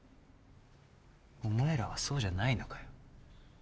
お前らはそうじゃないのかよ？